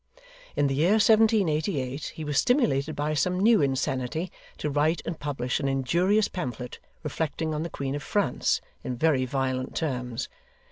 In the year 1788 he was stimulated by some new insanity to write and publish an injurious pamphlet, reflecting on the Queen of France, in very violent terms.